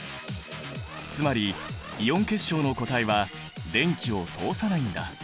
つまりイオン結晶の固体は電気を通さないんだ。